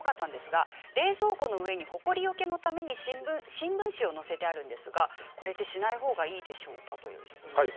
冷蔵庫の上にほこりよけのために新聞紙を載せてあるんですがしない方がいいでしょうかという質問です。